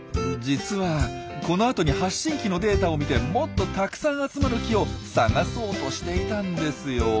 実はこの後に発信機のデータを見てもっとたくさん集まる木を探そうとしていたんですよ。